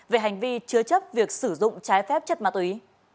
về hành vi chứa chấp việc sử dụng trái phép chất ma túy